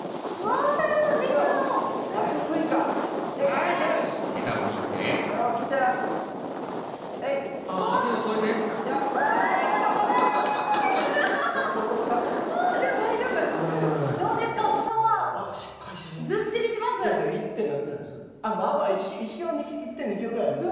あっまあまあ１キロ１．２キロぐらいありますね。